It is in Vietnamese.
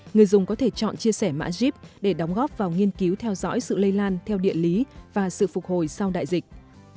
người dùng có thể chọn chia sẻ mã jeep để đóng góp vào nghiên cứu theo dõi sự lây lan theo địa lý và sự phục hồi sau đại dịch